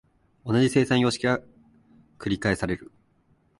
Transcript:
同じ生産様式が繰返される。